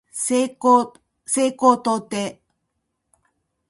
西高東低